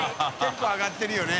觜上がってるよね？